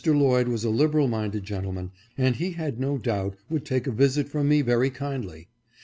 Lloyd was a liberal minded gentleman, and he had no doubt would take a visit from me very kindly.